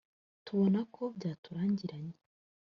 tubona ko byaturangiranye